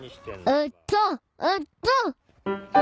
えっとえっと！